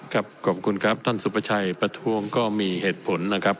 ครับกรอบบังคุณครับท่านสุภาชัยประทวงก็มีเหตุผลนะครับ